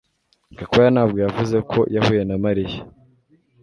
Gakwaya ntabwo yavuze ko yahuye na Mariya